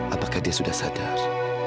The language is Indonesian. apakah dia sudah sadar